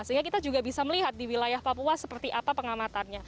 sehingga kita juga bisa melihat di wilayah papua seperti apa pengamatannya